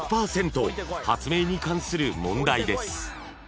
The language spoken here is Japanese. ［発明に関する問題です］